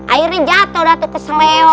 akhirnya jatoh dah tuh kesel leo